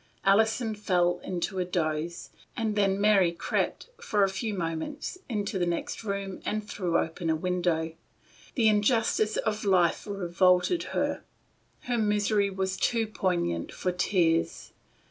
Alison fell into a doze, and then Mary crept, for a few moments, into the next room, and threw open a window. The injustice of life revolted her. Her misery was too poignant for tears.